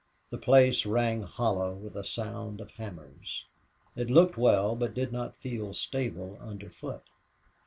The place rang hollow with a sound of hammers. It looked well, but did not feel stable underfoot.